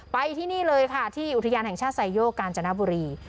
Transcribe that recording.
ไปที่นี่เลยค่ะที่อุทยานแห่งชาติไซโยกกาญจนบุรี